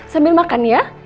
sambil makan ya